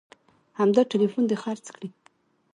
همدا ټلیفون دې خرڅ کړي